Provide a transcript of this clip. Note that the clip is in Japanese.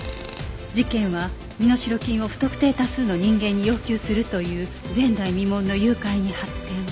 事件は身代金を不特定多数の人間に要求するという前代未聞の誘拐に発展